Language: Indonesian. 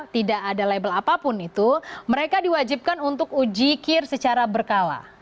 tidak ada label apapun itu mereka diwajibkan untuk uji kir secara berkala